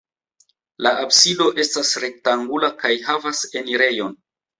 La absido estas rektangula kaj havas enirejon.